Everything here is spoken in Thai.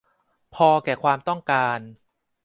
พอแก่ความต้องการ